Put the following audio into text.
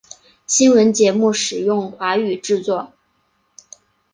新闻节目使用华语制作。